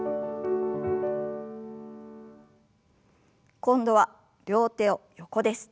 今度は両手を横です。